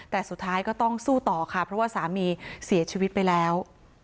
แต่สุดท้ายก็ต้องสู้ต่อค่ะเพราะว่าสามีเสียชีวิตไปแล้ว